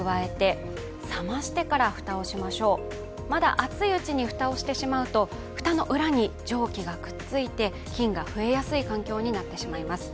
熱いうちに蓋をしてしまうと、蓋の裏に蒸気がくっついて、菌が増えやすい環境になってしまいます。